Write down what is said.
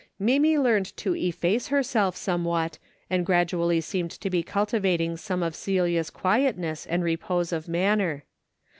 Mamie learned to efface herself some what, and gradually seemed to be cultivating some of Celia's quietness and repose of manner.